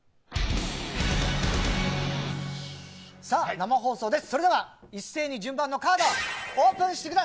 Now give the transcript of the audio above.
生放送です。